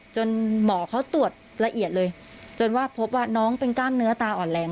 หมอเขาตรวจละเอียดเลยจนว่าพบว่าน้องเป็นกล้ามเนื้อตาอ่อนแรง